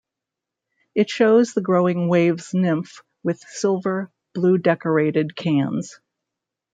It shows the growing waves nymph with silver, blue decorated cans.